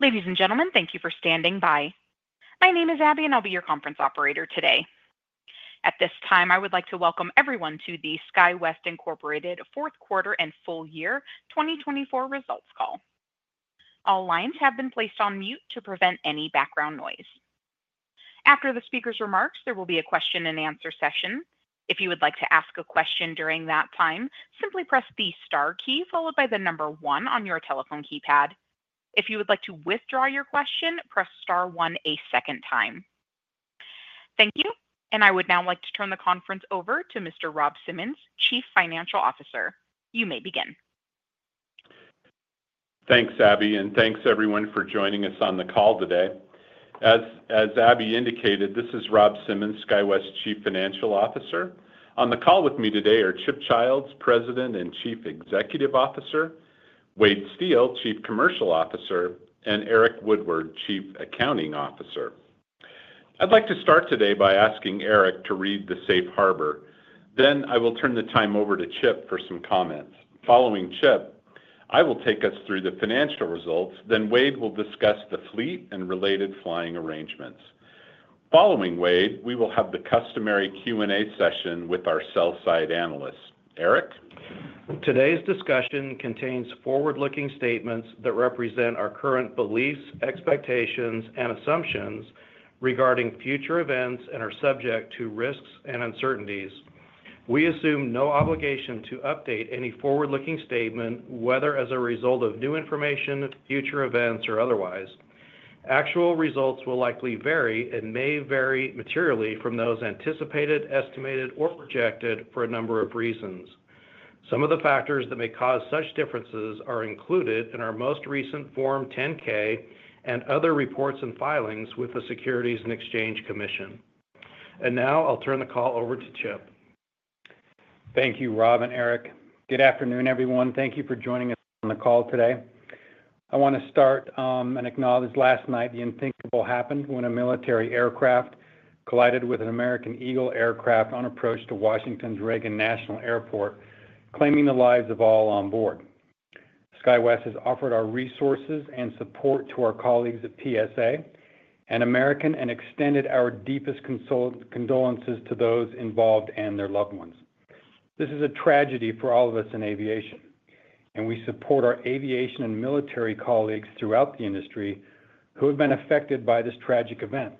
Ladies and gentlemen, thank you for standing by. My name is Abby, and I'll be your conference operator today. At this time, I would like to welcome everyone to the SkyWest, Incorporated Fourth Quarter and Full Year 2024 Results Call. All lines have been placed on mute to prevent any background noise. After the speaker's remarks, there will be a question-and-answer session. If you would like to ask a question during that time, simply press the star key followed by the number one on your telephone keypad. If you would like to withdraw your question, press star one a second time. Thank you, and I would now like to turn the conference over to Mr. Rob Simmons, Chief Financial Officer. You may begin. Thanks, Abby, and thanks everyone for joining us on the call today. As Abby indicated, this is Rob Simmons, SkyWest Chief Financial Officer. On the call with me today are Chip Childs, President and Chief Executive Officer; Wade Steel, Chief Commercial Officer; and Eric Woodward, Chief Accounting Officer. I'd like to start today by asking Eric to read the Safe Harbor. Then I will turn the time over to Chip for some comments. Following Chip, I will take us through the financial results, then Wade will discuss the fleet and related flying arrangements. Following Wade, we will have the customary Q&A session with our sell-side analysts. Eric? Today's discussion contains forward-looking statements that represent our current beliefs, expectations, and assumptions regarding future events and are subject to risks and uncertainties. We assume no obligation to update any forward-looking statement, whether as a result of new information, future events, or otherwise. Actual results will likely vary and may vary materially from those anticipated, estimated, or projected for a number of reasons. Some of the factors that may cause such differences are included in our most recent Form 10-K and other reports and filings with the Securities and Exchange Commission. And now I'll turn the call over to Chip. Thank you, Rob and Eric. Good afternoon, everyone. Thank you for joining us on the call today. I want to start and acknowledge, last night the unthinkable happened when a military aircraft collided with an American Eagle aircraft on approach to Washington's Reagan National Airport, claiming the lives of all on board. SkyWest has offered our resources and support to our colleagues at PSA and American and extended our deepest condolences to those involved and their loved ones. This is a tragedy for all of us in aviation, and we support our aviation and military colleagues throughout the industry who have been affected by this tragic event.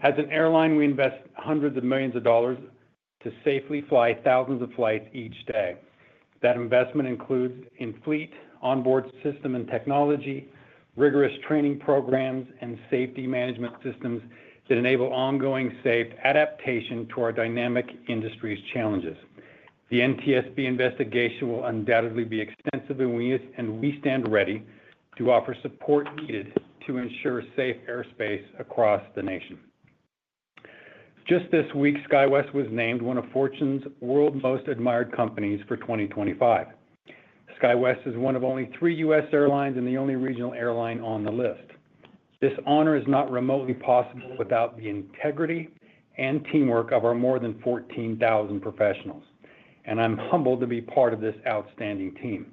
As an airline, we invest hundreds of millions of dollars to safely fly thousands of flights each day. That investment includes in fleet, onboard system and technology, rigorous training programs, and safety management systems that enable ongoing safe adaptation to our dynamic industry's challenges. The NTSB investigation will undoubtedly be extensive, and we stand ready to offer support needed to ensure safe airspace across the nation. Just this week, SkyWest was named one of Fortune's World's Most Admired Companies for 2025. SkyWest is one of only three U.S. airlines and the only regional airline on the list. This honor is not remotely possible without the integrity and teamwork of our more than 14,000 professionals, and I'm humbled to be part of this outstanding team.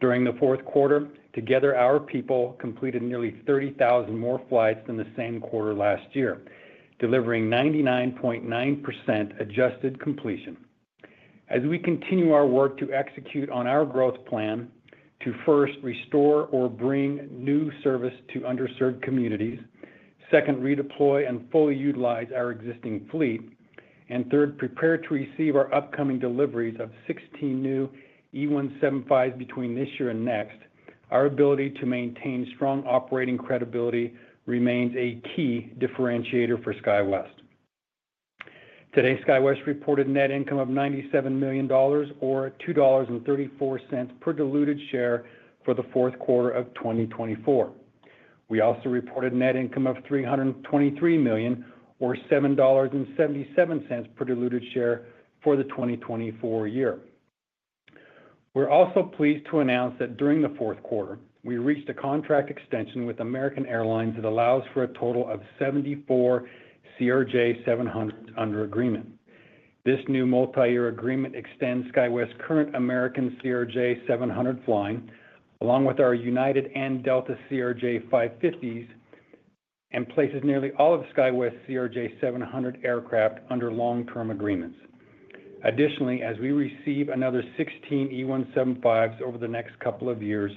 During the fourth quarter, together, our people completed nearly 30,000 more flights than the same quarter last year, delivering 99.9% adjusted completion. As we continue our work to execute on our growth plan to first restore or bring new service to underserved communities, second, redeploy and fully utilize our existing fleet, and third, prepare to receive our upcoming deliveries of 16 new E175s between this year and next, our ability to maintain strong operating credibility remains a key differentiator for SkyWest. Today, SkyWest reported net income of $97 million, or $2.34 per diluted share, for the fourth quarter of 2024. We also reported net income of $323 million, or $7.77 per diluted share, for the 2024 year. We're also pleased to announce that during the fourth quarter, we reached a contract extension with American Airlines that allows for a total of 74 CRJ700s under agreement. This new multi-year agreement extends SkyWest's current American CRJ700 flying, along with our United and Delta CRJ550s, and places nearly all of SkyWest's CRJ700 aircraft under long-term agreements. Additionally, as we receive another 16 E175s over the next couple of years,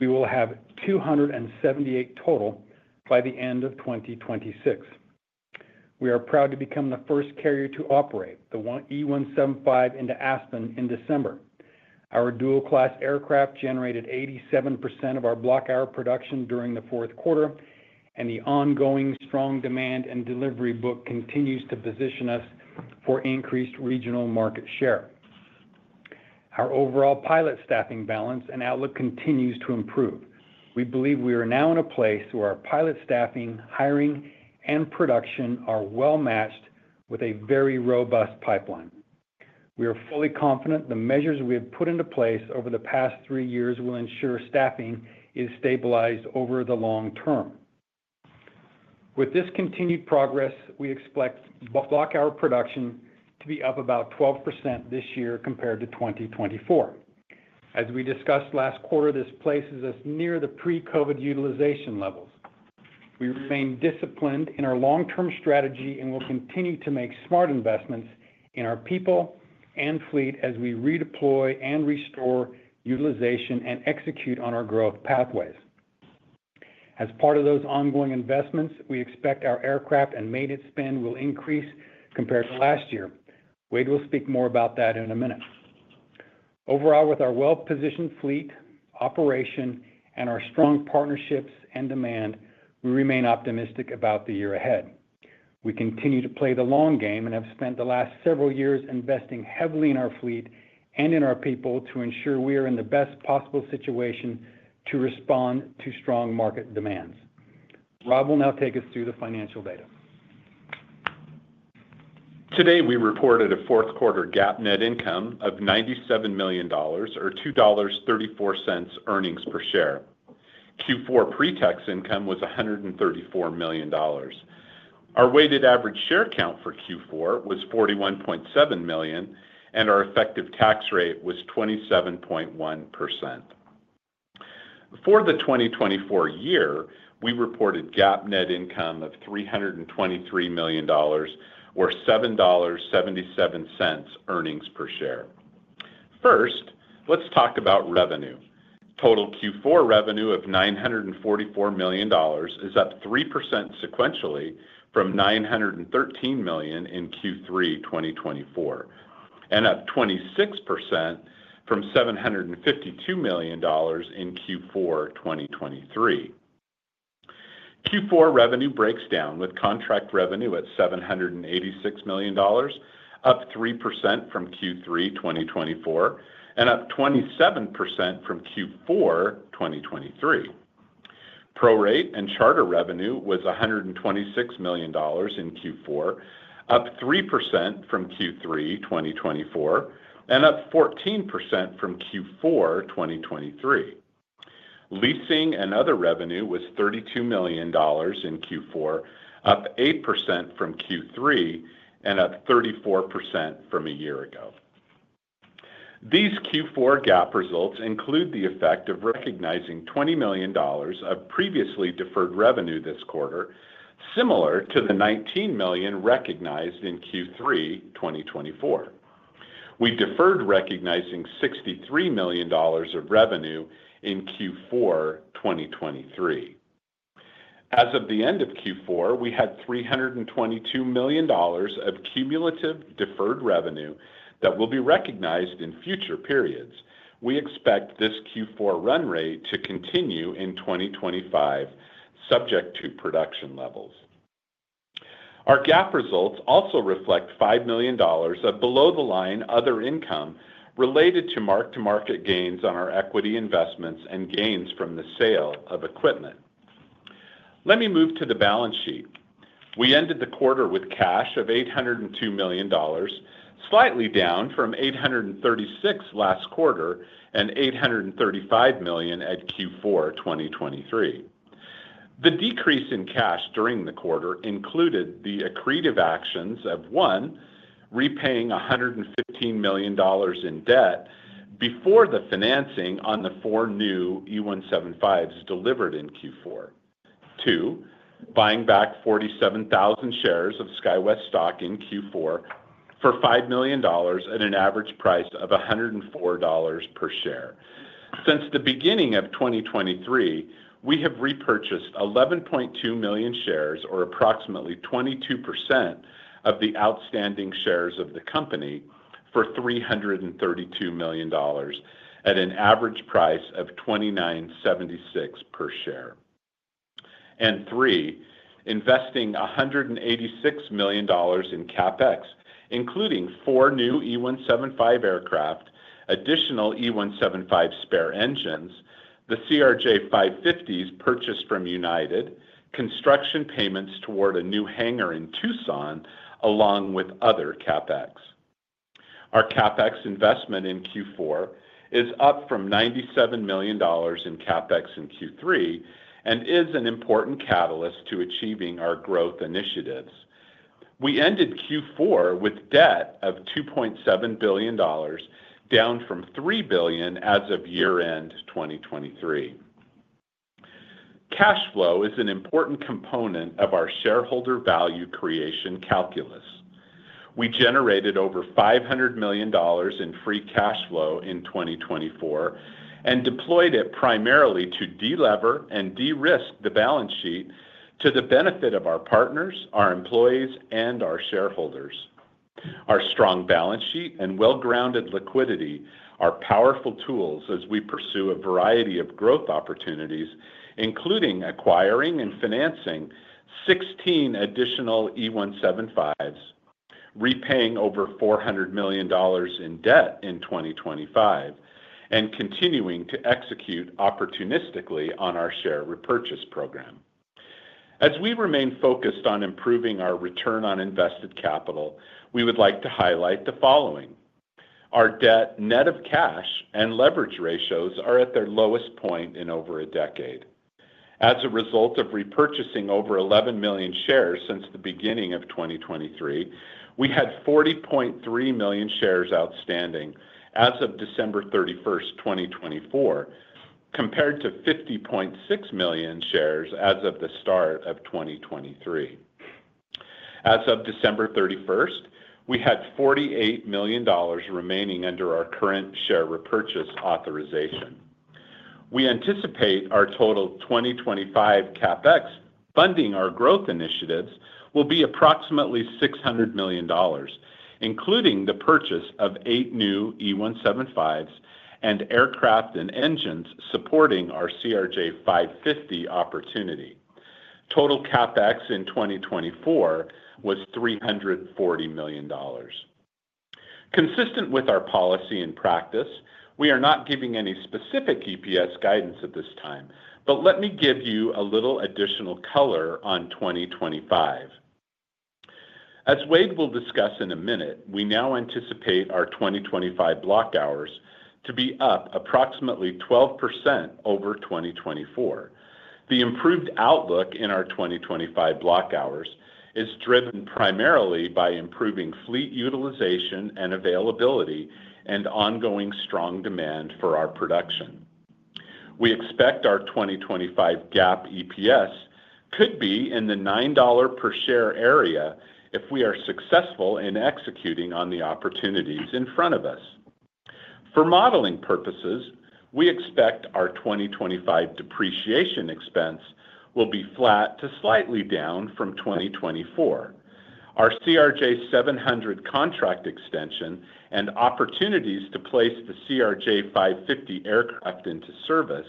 we will have 278 total by the end of 2026. We are proud to become the first carrier to operate the E175 into Aspen in December. Our dual-class aircraft generated 87% of our block hour production during the fourth quarter, and the ongoing strong demand and delivery book continues to position us for increased regional market share. Our overall pilot staffing balance and outlook continues to improve. We believe we are now in a place where our pilot staffing, hiring, and production are well matched with a very robust pipeline. We are fully confident the measures we have put into place over the past three years will ensure staffing is stabilized over the long term. With this continued progress, we expect block hour production to be up about 12% this year compared to 2024. As we discussed last quarter, this places us near the pre-COVID utilization levels. We remain disciplined in our long-term strategy and will continue to make smart investments in our people and fleet as we redeploy and restore utilization and execute on our growth pathways. As part of those ongoing investments, we expect our aircraft and maintenance spend will increase compared to last year. Wade will speak more about that in a minute. Overall, with our well-positioned fleet, operation, and our strong partnerships and demand, we remain optimistic about the year ahead. We continue to play the long game and have spent the last several years investing heavily in our fleet and in our people to ensure we are in the best possible situation to respond to strong market demands. Rob will now take us through the financial data. Today, we reported a fourth quarter GAAP net income of $97 million, or $2.34 earnings per share. Q4 pre-tax income was $134 million. Our weighted average share count for Q4 was 41.7 million, and our effective tax rate was 27.1%. For the 2024 year, we reported GAAP net income of $323 million, or $7.77 earnings per share. First, let's talk about revenue. Total Q4 revenue of $944 million is up 3% sequentially from $913 million in Q3 2024, and up 26% from $752 million in Q4 2023. Q4 revenue breaks down with contract revenue at $786 million, up 3% from Q3 2024, and up 27% from Q4 2023. Prorate and charter revenue was $126 million in Q4, up 3% from Q3 2024, and up 14% from Q4 2023. Leasing and other revenue was $32 million in Q4, up 8% from Q3, and up 34% from a year ago. These Q4 GAAP results include the effect of recognizing $20 million of previously deferred revenue this quarter, similar to the $19 million recognized in Q3 2024. We deferred recognizing $63 million of revenue in Q4 2023. As of the end of Q4, we had $322 million of cumulative deferred revenue that will be recognized in future periods. We expect this Q4 run rate to continue in 2025, subject to production levels. Our GAAP results also reflect $5 million of below-the-line other income related to mark-to-market gains on our equity investments and gains from the sale of equipment. Let me move to the balance sheet. We ended the quarter with cash of $802 million, slightly down from $836 last quarter and $835 million at Q4 2023. The decrease in cash during the quarter included the accretive actions of, one, repaying $115 million in debt before the financing on the four new E175s delivered in Q4, two, buying back 47,000 shares of SkyWest stock in Q4 for $5 million at an average price of $104 per share. Since the beginning of 2023, we have repurchased 11.2 million shares, or approximately 22% of the outstanding shares of the company, for $332 million at an average price of $29.76 per share, and three, investing $186 million in CapEx, including four new E175 aircrafts, additional E175 spare engines, the CRJ550s purchased from United, construction payments toward a new hangar in Tucson, along with other CapEx. Our CapEx investment in Q4 is up from $97 million in CapEx in Q3 and is an important catalyst to achieving our growth initiatives. We ended Q4 with debt of $2.7 billion, down from $3 billion as of year-end 2023. Cash flow is an important component of our shareholder value creation calculus. We generated over $500 million in free cash flow in 2024 and deployed it primarily to delever and de-risk the balance sheet to the benefit of our partners, our employees, and our shareholders. Our strong balance sheet and well-grounded liquidity are powerful tools as we pursue a variety of growth opportunities, including acquiring and financing 16 additional E175s, repaying over $400 million in debt in 2025, and continuing to execute opportunistically on our share repurchase program. As we remain focused on improving our return on invested capital, we would like to highlight the following. Our debt net of cash and leverage ratios are at their lowest point in over a decade. As a result of repurchasing over 11 million shares since the beginning of 2023, we had 40.3 million shares outstanding as of December 31st, 2024, compared to 50.6 million shares as of the start of 2023. As of December 31st, we had $48 million remaining under our current share repurchase authorization. We anticipate our total 2025 CapEx funding our growth initiatives will be approximately $600 million, including the purchase of eight new E175s and aircraft and engines supporting our CRJ550 opportunity. Total CapEx in 2024 was $340 million. Consistent with our policy and practice, we are not giving any specific EPS guidance at this time, but let me give you a little additional color on 2025. As Wade will discuss in a minute, we now anticipate our 2025 block hours to be up approximately 12% over 2024. The improved outlook in our 2025 block hours is driven primarily by improving fleet utilization and availability and ongoing strong demand for our production. We expect our 2025 GAAP EPS could be in the $9 per share area if we are successful in executing on the opportunities in front of us. For modeling purposes, we expect our 2025 depreciation expense will be flat to slightly down from 2024. Our CRJ700 contract extension and opportunities to place the CRJ550 aircraft into service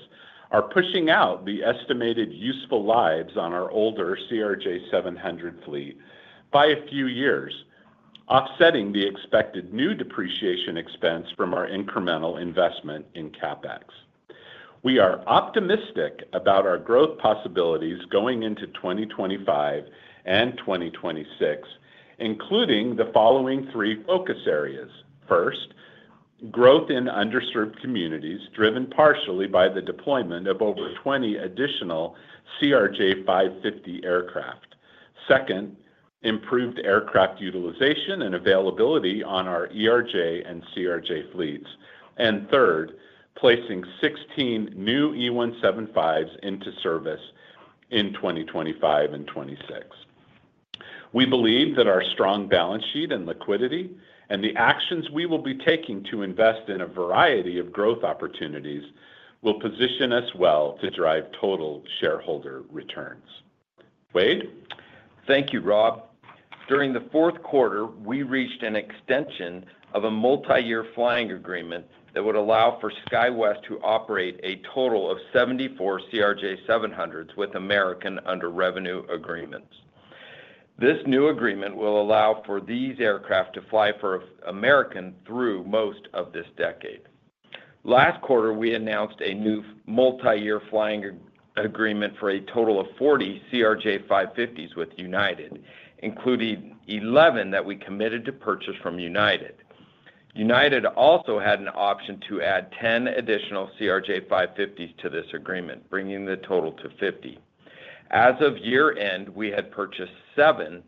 are pushing out the estimated useful lives on our older CRJ700 fleet by a few years, offsetting the expected new depreciation expense from our incremental investment in CapEx. We are optimistic about our growth possibilities going into 2025 and 2026, including the following three focus areas. First, growth in underserved communities driven partially by the deployment of over 20 additional CRJ550 aircrafts. Second, improved aircraft utilization and availability on our ERJ and CRJ fleets. And third, placing 16 new E175s into service in 2025 and 2026. We believe that our strong balance sheet and liquidity and the actions we will be taking to invest in a variety of growth opportunities will position us well to drive total shareholder returns. Wade? Thank you, Rob. During the fourth quarter, we reached an extension of a multi-year flying agreement that would allow for SkyWest to operate a total of 74 CRJ700s with American under revenue agreements. This new agreement will allow for these aircraft to fly for American through most of this decade. Last quarter, we announced a new multi-year flying agreement for a total of 40 CRJ550s with United, including 11 that we committed to purchase from United. United also had an option to add 10 additional CRJ550s to this agreement, bringing the total to 50. As of year-end, we had purchased seven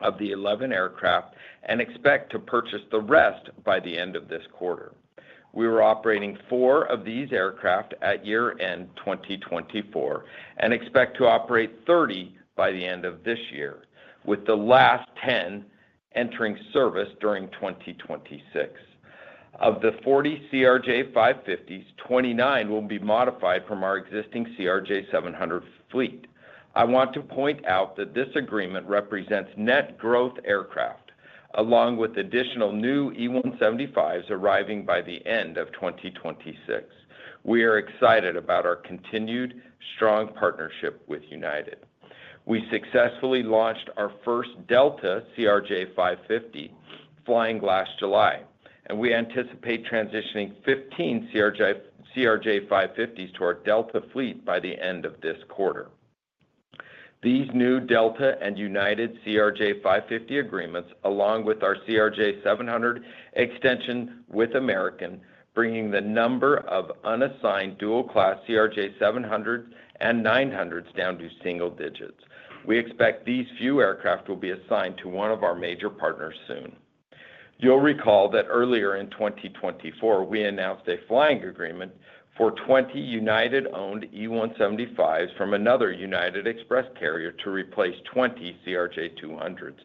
of the 11 aircraft and expect to purchase the rest by the end of this quarter. We were operating four of these aircraft at year-end 2024 and expect to operate 30 by the end of this year, with the last 10 entering service during 2026. Of the 40 CRJ550s, 29 will be modified from our existing CRJ700 fleet. I want to point out that this agreement represents net growth aircraft, along with additional new E175s arriving by the end of 2026. We are excited about our continued strong partnership with United. We successfully launched our first Delta CRJ550 flying last July, and we anticipate transitioning 15 CRJ550s to our Delta fleet by the end of this quarter. These new Delta and United CRJ550 agreements, along with our CRJ700 extension with American, bring the number of unassigned dual-class CRJ700s and CRJ900s down to single-digits. We expect these few aircraft will be assigned to one of our major partners soon. You'll recall that earlier in 2024, we announced a flying agreement for 20 United-owned E175s from another United Express carrier to replace 20 CRJ200s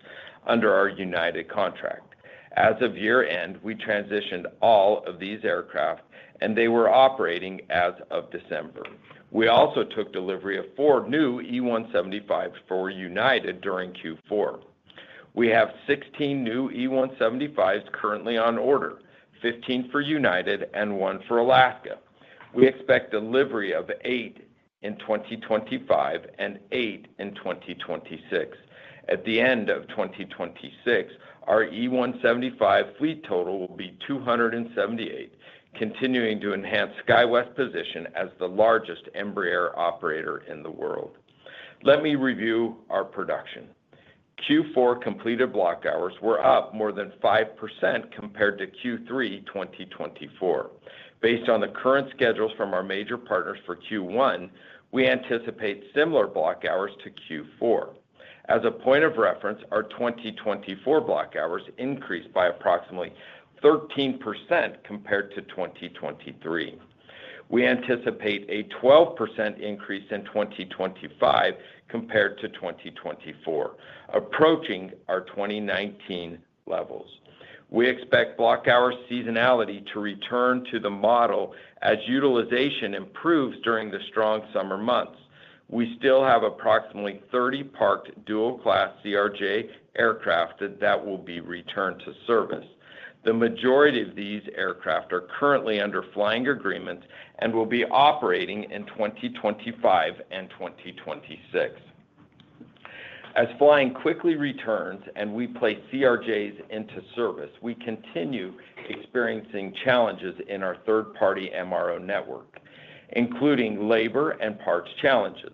under our United contract. As of year-end, we transitioned all of these aircraft, and they were operating as of December. We also took delivery of four new E175s for United during Q4. We have 16 new E175s currently on order, 15 for United and one for Alaska. We expect delivery of eight in 2025 and eight in 2026. At the end of 2026, our E175 fleet total will be 278, continuing to enhance SkyWest's position as the largest Embraer operator in the world. Let me review our production. Q4 completed block hours were up more than 5% compared to Q3 2024. Based on the current schedules from our major partners for Q1, we anticipate similar block hours to Q4. As a point of reference, our 2024 block hours increased by approximately 13% compared to 2023. We anticipate a 12% increase in 2025 compared to 2024, approaching our 2019 levels. We expect block hour seasonality to return to the model as utilization improves during the strong summer months. We still have approximately 30 parked dual-class CRJ aircraft that will be returned to service. The majority of these aircraft are currently under flying agreements and will be operating in 2025 and 2026. As flying quickly returns and we place CRJs into service, we continue experiencing challenges in our third-party MRO network, including labor and parts challenges.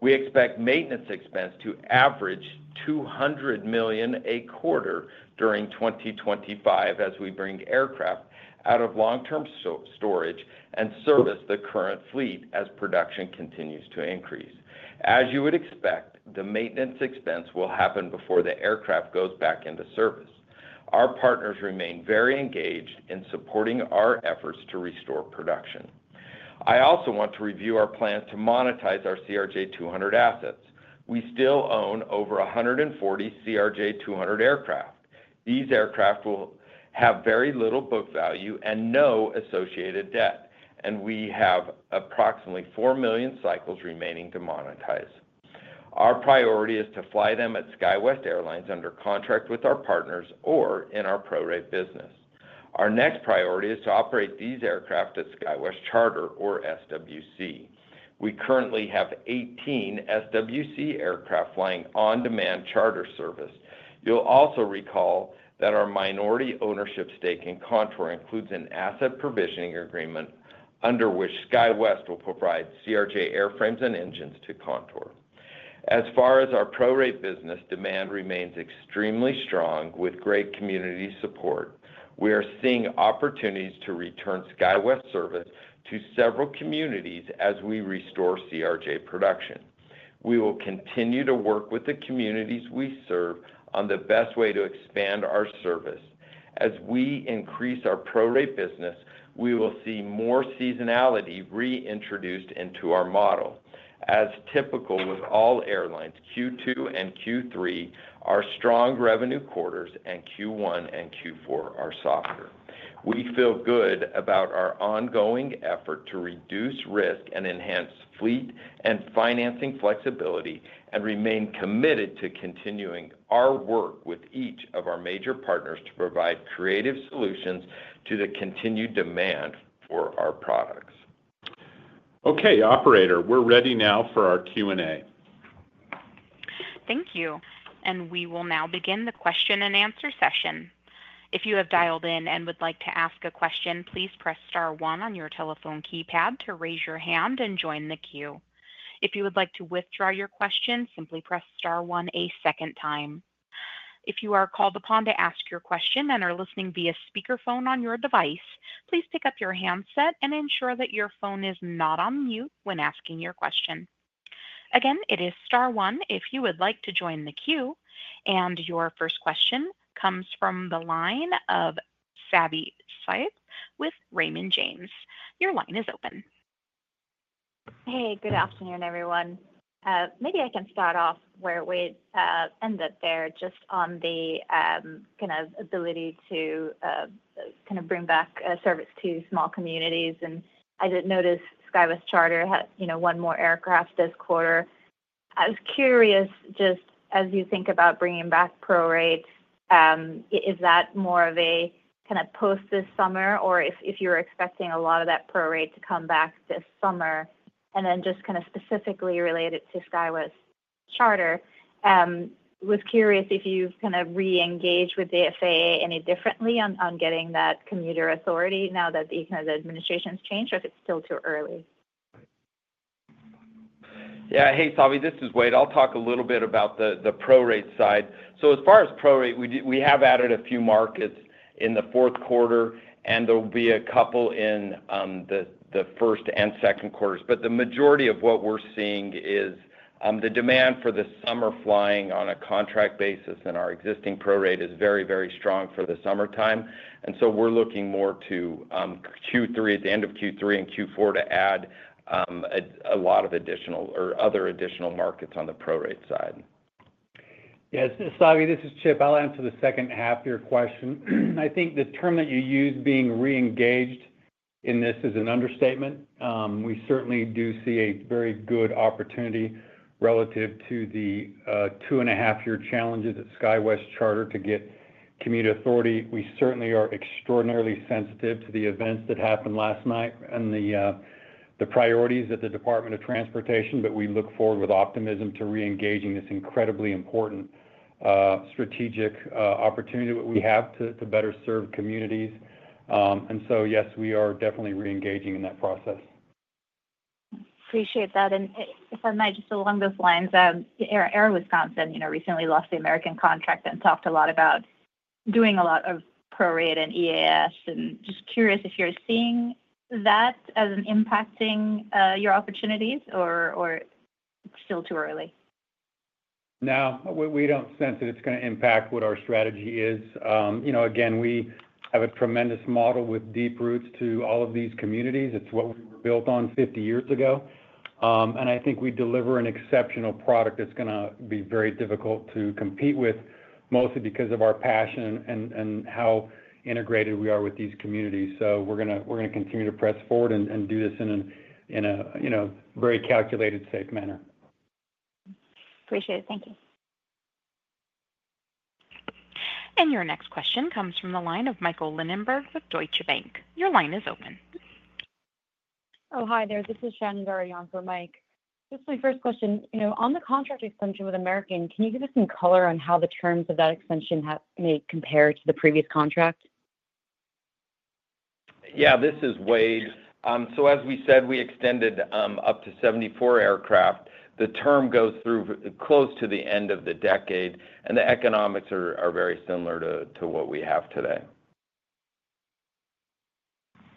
We expect maintenance expense to average $200 million a quarter during 2025 as we bring aircraft out of long-term storage and service the current fleet as production continues to increase. As you would expect, the maintenance expense will happen before the aircraft goes back into service. Our partners remain very engaged in supporting our efforts to restore production. I also want to review our plan to monetize our CRJ200 assets. We still own over 140 CRJ200 aircraft. These aircraft will have very little book value and no associated debt, and we have approximately 4 million cycles remaining to monetize. Our priority is to fly them at SkyWest Airlines under contract with our partners or in our prorate business. Our next priority is to operate these aircraft at SkyWest Charter or SWC. We currently have 18 SWC aircraft flying on-demand charter service. You'll also recall that our minority ownership stake in Contour includes an asset provisioning agreement under which SkyWest will provide CRJ airframes and engines to Contour. As far as our prorate business, demand remains extremely strong with great community support. We are seeing opportunities to return SkyWest service to several communities as we restore CRJ production. We will continue to work with the communities we serve on the best way to expand our service. As we increase our prorate business, we will see more seasonality reintroduced into our model. As typical with all airlines, Q2 and Q3 are strong revenue quarters, and Q1 and Q4 are softer. We feel good about our ongoing effort to reduce risk and enhance fleet and financing flexibility and remain committed to continuing our work with each of our major partners to provide creative solutions to the continued demand for our products. Okay, Operator, we're ready now for our Q&A. Thank you. And we will now begin the question-and-answer session. If you have dialed in and would like to ask a question, please press star one on your telephone keypad to raise your hand and join the queue. If you would like to withdraw your question, simply press star one a second time. If you are called upon to ask your question and are listening via speakerphone on your device, please pick up your handset and ensure that your phone is not on mute when asking your question. Again, it is star one if you would like to join the queue. And your first question comes from the line of Savi Syth with Raymond James. Your line is open. Hey, good afternoon, everyone. Maybe I can start off where Wade ended there, just on the kind of ability to kind of bring back service to small communities. And I did notice SkyWest Charter had one more aircraft this quarter. I was curious, just as you think about bringing back prorate, is that more of a kind of post this summer, or if you were expecting a lot of that prorate to come back this summer? And then just kind of specifically related to SkyWest Charter, I was curious if you've kind of re-engaged with the FAA any differently on getting that commuter authority now that the administration's changed, or if it's still too early. Yeah, hey, Savi, this is Wade. I'll talk a little bit about the prorate side, so as far as prorate, we have added a few markets in the fourth quarter, and there will be a couple in the first and second quarters, but the majority of what we're seeing is the demand for the summer flying on a contract basis in our existing prorate is very, very strong for the summertime, and so we're looking more to Q3, at the end of Q3 and Q4, to add a lot of additional or other additional markets on the prorate side. Yes, Savi, this is Chip. I'll answer the second half of your question. I think the term that you use, being re-engaged in this, is an understatement. We certainly do see a very good opportunity relative to the two-and-a-half-year challenges at SkyWest Charter to get commuter authority. We certainly are extraordinarily sensitive to the events that happened last night and the priorities at the Department of Transportation, but we look forward with optimism to re-engaging this incredibly important strategic opportunity that we have to better serve communities. And so, yes, we are definitely re-engaging in that process. Appreciate that. And if I might, just along those lines, Air Wisconsin recently lost the American contract and talked a lot about doing a lot of prorate and EAS, and just curious if you're seeing that as impacting your opportunities or still too early. No, we don't sense that it's going to impact what our strategy is. Again, we have a tremendous model with deep roots to all of these communities. It's what we were built on 50 years ago, and I think we deliver an exceptional product that's going to be very difficult to compete with, mostly because of our passion and how integrated we are with these communities, so we're going to continue to press forward and do this in a very calculated, safe manner. Appreciate it. Thank you. And your next question comes from the line of Michael Lindenberg with Deutsche Bank. Your line is open. Oh, hi there. This is Shannon Doherty on for Mike. Just my first question. On the contract extension with American, can you give us some color on how the terms of that extension may compare to the previous contract? Yeah, this is Wade. So as we said, we extended up to 74 aircraft. The term goes through close to the end of the decade, and the economics are very similar to what we have today.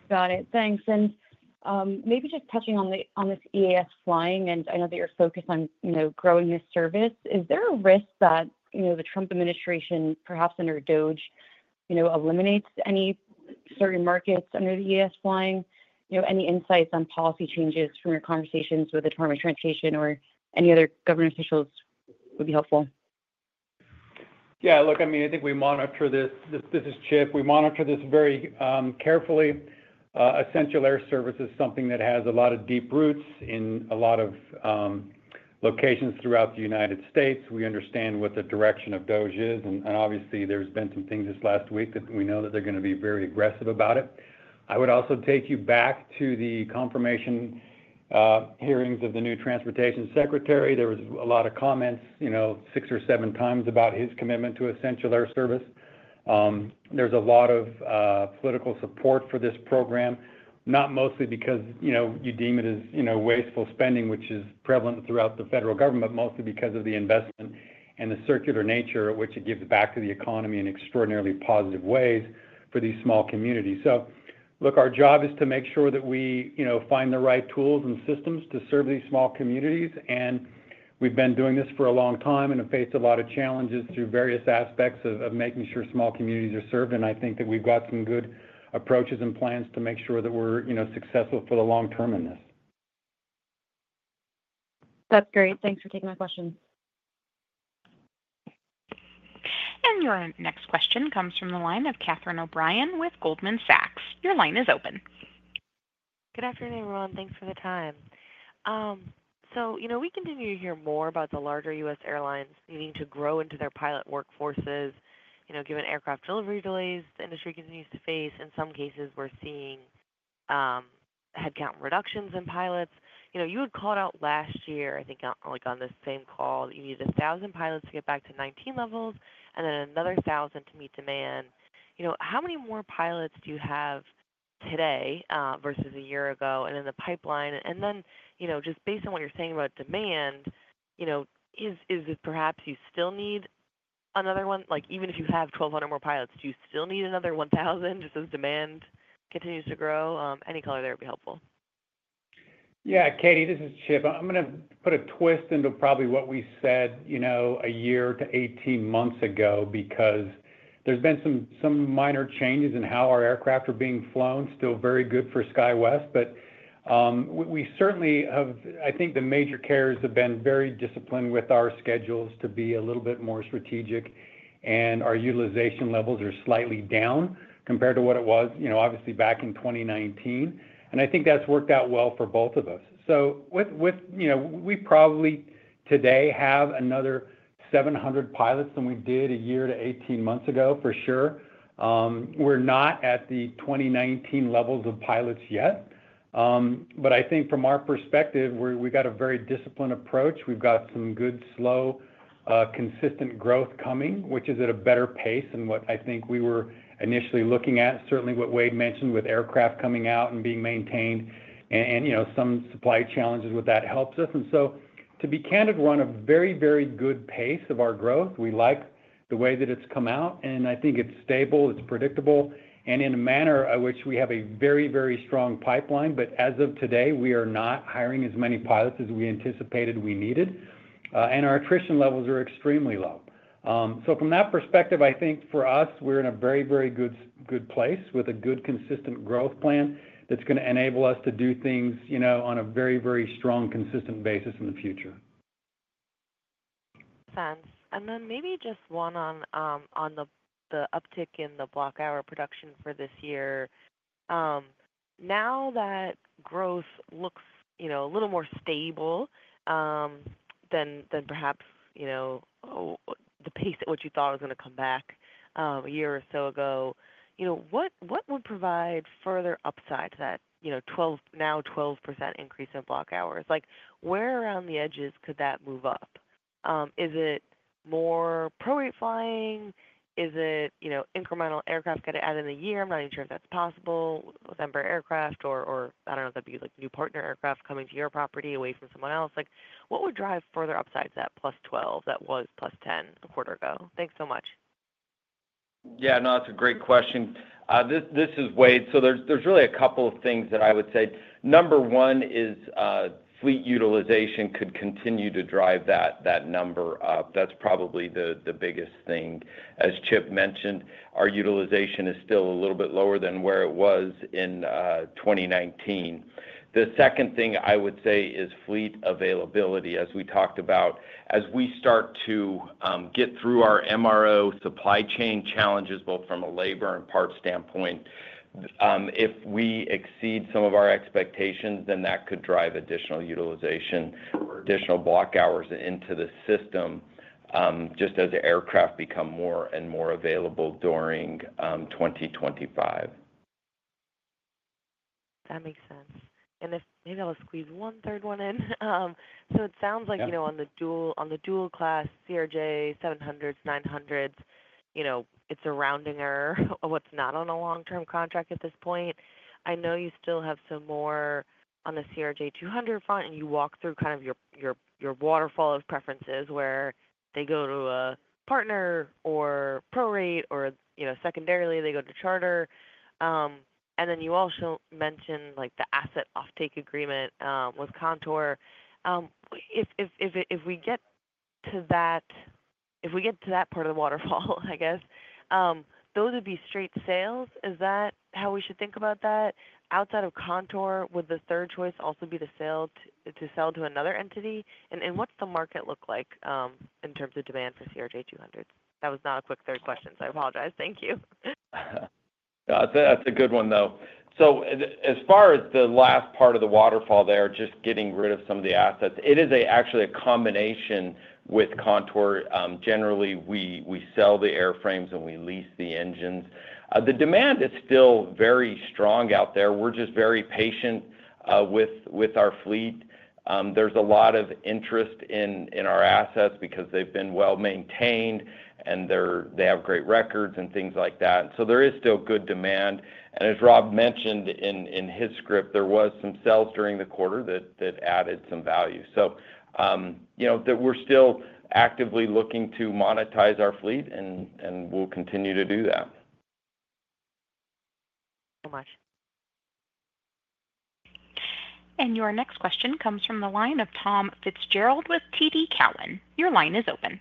Got it. Thanks. And maybe just touching on this EAS flying, and I know that you're focused on growing this service. Is there a risk that the Trump administration, perhaps under DOGE, eliminates any certain markets under the EAS flying? Any insights on policy changes from your conversations with the Department of Transportation or any other government officials would be helpful? Yeah, look, I mean, I think we monitor this. This is Chip. We monitor this very carefully. Essential Air Service is something that has a lot of deep roots in a lot of locations throughout the United States. We understand what the direction of DOGE is. And obviously, there's been some things this last week that we know that they're going to be very aggressive about it. I would also take you back to the confirmation hearings of the new Transportation Secretary. There was a lot of comments, six or seven times about his commitment to Essential Air Service. There's a lot of political support for this program, not mostly because you deem it as wasteful spending, which is prevalent throughout the federal government, but mostly because of the investment and the circular nature at which it gives back to the economy in extraordinarily positive ways for these small communities. So look, our job is to make sure that we find the right tools and systems to serve these small communities. And we've been doing this for a long time and have faced a lot of challenges through various aspects of making sure small communities are served. And I think that we've got some good approaches and plans to make sure that we're successful for the long term in this. That's great. Thanks for taking my question. Your next question comes from the line of Catherine O'Brien with Goldman Sachs. Your line is open. Good afternoon, everyone. Thanks for the time. So we continue to hear more about the larger U.S. airlines needing to grow into their pilot workforces, given aircraft delivery delays the industry continues to face. In some cases, we're seeing headcount reductions in pilots. You had called out last year, I think on this same call, that you needed 1,000 pilots to get back to 19 levels and then another 1,000 to meet demand. How many more pilots do you have today versus a year ago and in the pipeline? And then just based on what you're saying about demand, is it perhaps you still need another one? Even if you have 1,200 more pilots, do you still need another 1,000 just as demand continues to grow? Any color there would be helpful. Yeah, Catie, this is Chip. I'm going to put a twist into probably what we said a year to 18 months ago because there's been some minor changes in how our aircraft are being flown. Still very good for SkyWest, but we certainly have, I think the major carriers have been very disciplined with our schedules to be a little bit more strategic, and our utilization levels are slightly down compared to what it was, obviously, back in 2019. I think that's worked out well for both of us. We probably today have another 700 pilots than we did a year to 18 months ago, for sure. We're not at the 2019 levels of pilots yet. I think from our perspective, we've got a very disciplined approach. We've got some good, slow, consistent growth coming, which is at a better pace than what I think we were initially looking at. Certainly, what Wade mentioned with aircraft coming out and being maintained and some supply challenges with that helps us, and so to be candid, we're on a very, very good pace of our growth. We like the way that it's come out, and I think it's stable. It's predictable and in a manner in which we have a very, very strong pipeline, but as of today, we are not hiring as many pilots as we anticipated we needed, and our attrition levels are extremely low, so from that perspective, I think for us, we're in a very, very good place with a good, consistent growth plan that's going to enable us to do things on a very, very strong, consistent basis in the future. Thanks. And then maybe just one on the uptick in the block hour production for this year. Now that growth looks a little more stable than perhaps the pace at which you thought it was going to come back a year or so ago, what would provide further upside to that now 12% increase in block hours? Where around the edges could that move up? Is it more prorate flying? Is it incremental aircraft going to add in a year? I'm not even sure if that's possible with Embraer aircraft or, I don't know, that'd be new partner aircraft coming to your portfolio away from someone else. What would drive further upside to that +12% that was +10% a quarter ago? Thanks so much. Yeah, no, that's a great question. This is Wade. So there's really a couple of things that I would say. Number one is fleet utilization could continue to drive that number up. That's probably the biggest thing. As Chip mentioned, our utilization is still a little bit lower than where it was in 2019. The second thing I would say is fleet availability, as we talked about. As we start to get through our MRO supply chain challenges, both from a labor and parts standpoint, if we exceed some of our expectations, then that could drive additional utilization or additional block hours into the system just as aircraft become more and more available during 2025. That makes sense, and if maybe I'll squeeze one third one in, so it sounds like on the dual-class CRJ700s, CRJ900s, it's a rounding error of what's not on a long-term contract at this point. I know you still have some more on the CRJ200 front, and you walk through kind of your waterfall of preferences where they go to a partner or prorate or secondarily they go to Charter. And then you also mentioned the asset offtake agreement with Contour. If we get to that, if we get to that part of the waterfall, I guess, those would be straight sales. Is that how we should think about that? Outside of Contour, would the third choice also be to sell to another entity? And what's the market look like in terms of demand for CRJ200s? That was not a quick third question, so I apologize. Thank you. That's a good one, though. So as far as the last part of the waterfall there, just getting rid of some of the assets, it is actually a combination with Contour. Generally, we sell the airframes and we lease the engines. The demand is still very strong out there. We're just very patient with our fleet. There's a lot of interest in our assets because they've been well maintained and they have great records and things like that. So there is still good demand. And as Rob mentioned in his script, there were some sales during the quarter that added some value. So we're still actively looking to monetize our fleet, and we'll continue to do that. Thank you so much. And your next question comes from the line of Tom Fitzgerald with TD Cowen. Your line is open.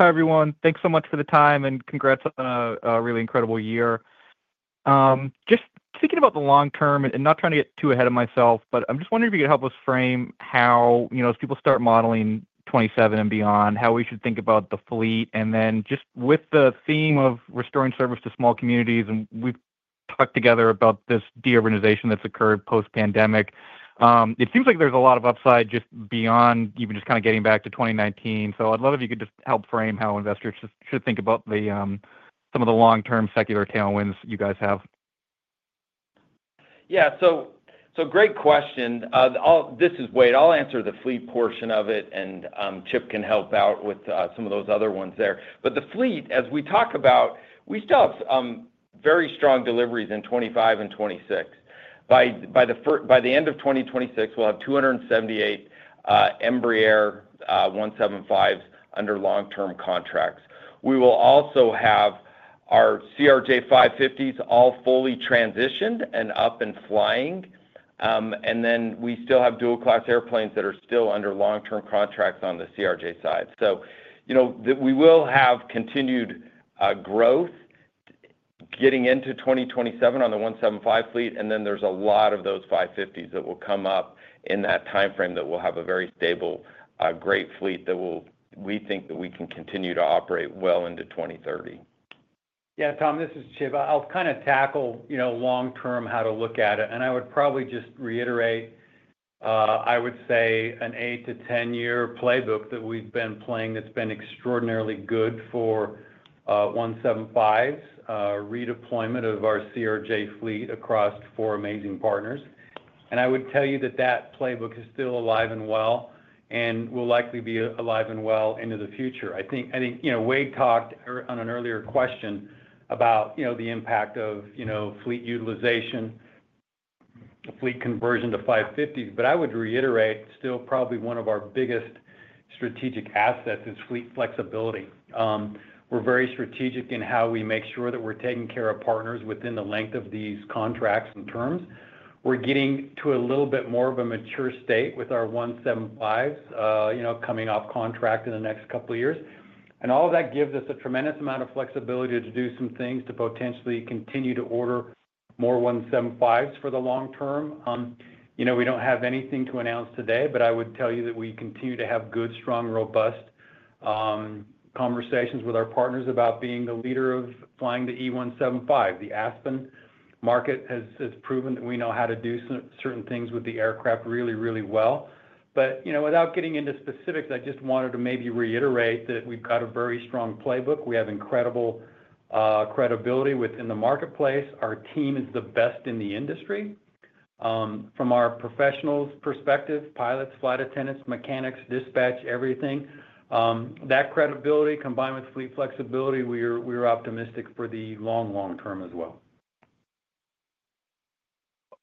Hi, everyone. Thanks so much for the time and congrats on a really incredible year. Just thinking about the long term and not trying to get too ahead of myself, but I'm just wondering if you could help us frame how, as people start modeling 2027 and beyond, how we should think about the fleet? And then, just with the theme of restoring service to small communities, and we've talked together about this disorganization that's occurred post-pandemic, it seems like there's a lot of upside just beyond even just kind of getting back to 2019, so I'd love if you could just help frame how investors should think about some of the long-term secular tailwinds you guys have. Yeah, so great question. This is Wade. I'll answer the fleet portion of it, and Chip can help out with some of those other ones there, but the fleet, as we talk about, we still have very strong deliveries in 2025 and 2026. By the end of 2026, we'll have 278 Embraer 175s under long-term contracts. We will also have our CRJ550s all fully-transitioned and up and flying, and then we still have dual-class airplanes that are still under long-term contracts on the CRJ side, so we will have continued growth getting into 2027 on the 175 fleet, and then there's a lot of those 550s that will come up in that timeframe that will have a very stable, great fleet that we think that we can continue to operate well into 2030. Yeah, Tom, this is Chip. I'll kind of tackle long-term how to look at it, and I would probably just reiterate. I would say an eight to 10-year playbook that we've been playing that's been extraordinarily good for 175s, redeployment of our CRJ fleet across four amazing partners. And I would tell you that that playbook is still alive and well and will likely be alive and well into the future. I think Wade talked on an earlier question about the impact of fleet utilization, fleet conversion to 550s, but I would reiterate. Still probably one of our biggest strategic assets is fleet flexibility. We're very strategic in how we make sure that we're taking care of partners within the length of these contracts and terms. We're getting to a little bit more of a mature state with our 175s coming off contract in the next couple of years. And all of that gives us a tremendous amount of flexibility to do some things to potentially continue to order more E175s for the long term. We don't have anything to announce today, but I would tell you that we continue to have good, strong, robust conversations with our partners about being the leader of flying the E175. The Aspen market has proven that we know how to do certain things with the aircraft really, really well. But without getting into specifics, I just wanted to maybe reiterate that we've got a very strong playbook. We have incredible credibility within the marketplace. Our team is the best in the industry. From our professionals' perspective, pilots, flight attendants, mechanics, dispatch, everything, that credibility combined with fleet flexibility, we're optimistic for the long, long term as well.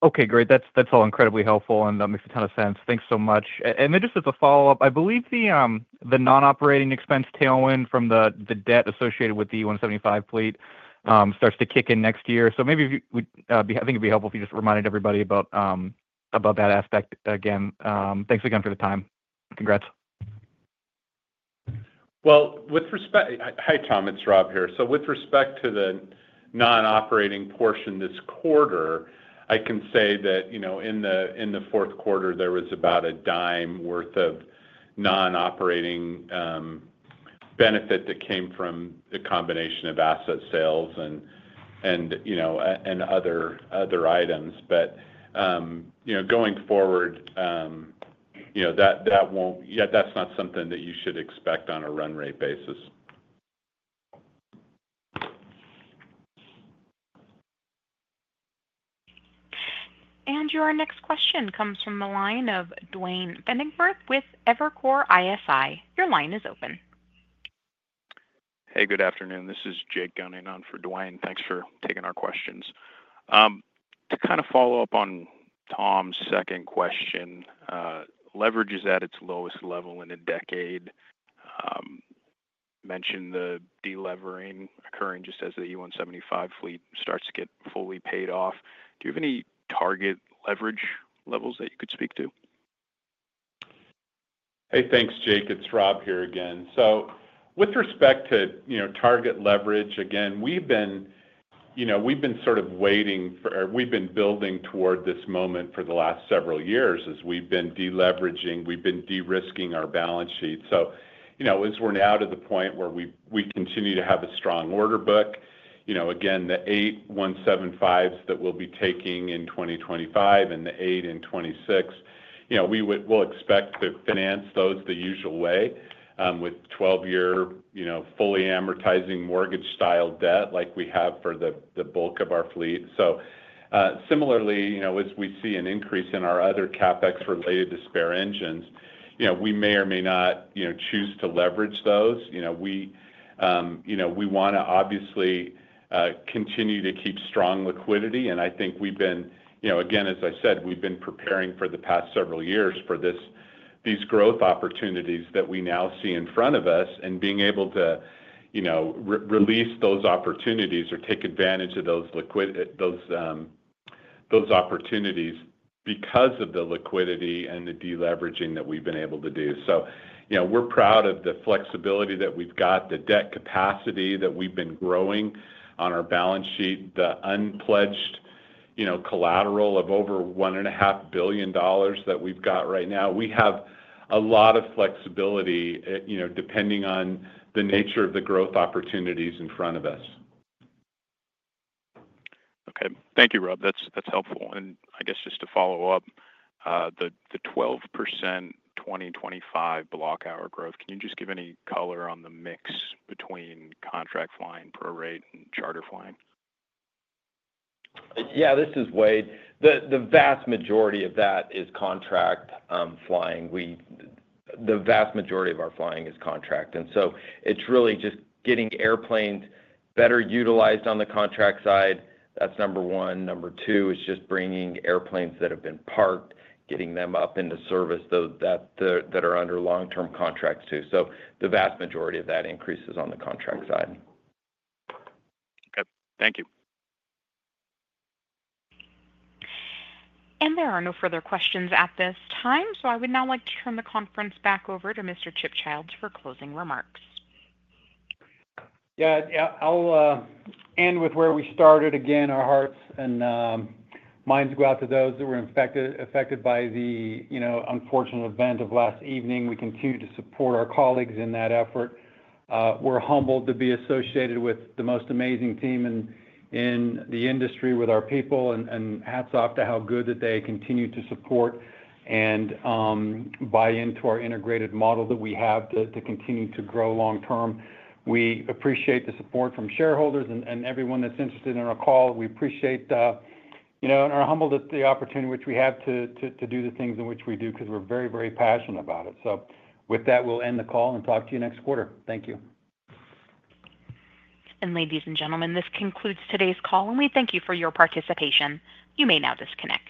Okay, great. That's all incredibly helpful, and that makes a ton of sense. Thanks so much. And then just as a follow-up, I believe the non-operating expense tailwind from the debt associated with the E175 fleet starts to kick in next year. So maybe I think it'd be helpful if you just reminded everybody about that aspect again. Thanks again for the time. Congrats. With respect, hi, Tom, it's Rob here. With respect to the non-operating portion this quarter, I can say that in the fourth quarter, there was about $0.10 of non-operating benefit that came from a combination of asset sales and other items. But going forward, that won't, yeah, that's not something that you should expect on a run rate basis. Your next question comes from the line of Duane Pfennigwerth with Evercore ISI. Your line is open. Hey, good afternoon. This is Jake Gunning on for Duane. Thanks for taking our questions. To kind of follow up on Tom's second question, leverage is at its lowest level in a decade. Mentioned the deleveraging occurring just as the E175 fleet starts to get fully paid off. Do you have any target leverage levels that you could speak to? Hey, thanks, Jake. It's Rob here again. So with respect to target leverage, again, we've been sort of waiting for—we've been building toward this moment for the last several years as we've been deleveraging. We've been de-risking our balance sheet. So as we're now to the point where we continue to have a strong order book, again, the eight 175s that we'll be taking in 2025 and the eight in 2026, we'll expect to finance those the usual way with 12-year fully amortizing mortgage-style debt like we have for the bulk of our fleet. So similarly, as we see an increase in our other CapEx related to spare engines, we may or may not choose to leverage those. We want to obviously continue to keep strong liquidity. And I think we've been, again, as I said, we've been preparing for the past several years for these growth opportunities that we now see in front of us and being able to release those opportunities or take advantage of those opportunities because of the liquidity and the deleveraging that we've been able to do. So we're proud of the flexibility that we've got, the debt capacity that we've been growing on our balance sheet, the unpledged collateral of over $1.5 billion that we've got right now. We have a lot of flexibility depending on the nature of the growth opportunities in front of us. Okay. Thank you, Rob. That's helpful. And I guess just to follow up, the 12% 2025 block hour growth, can you just give any color on the mix between contract flying, prorate, and charter flying? Yeah, this is Wade. The vast majority of that is contract flying. The vast majority of our flying is contract. And so it's really just getting airplanes better utilized on the contract side. That's number one. Number two is just bringing airplanes that have been parked, getting them up into service that are under long-term contracts too. So the vast majority of that increases on the contract side. Okay. Thank you. There are no further questions at this time. I would now like to turn the conference back over to Mr. Chip Childs for closing remarks. Yeah, I'll end with where we started. Again, our hearts and minds go out to those that were affected by the unfortunate event of last evening. We continue to support our colleagues in that effort. We're humbled to be associated with the most amazing team in the industry with our people, and hats off to how good that they continue to support and buy into our integrated model that we have to continue to grow long-term. We appreciate the support from shareholders and everyone that's interested in our call. We appreciate and are humbled at the opportunity which we have to do the things in which we do because we're very, very passionate about it. So with that, we'll end the call and talk to you next quarter. Thank you. Ladies and gentlemen, this concludes today's call, and we thank you for your participation. You may now disconnect.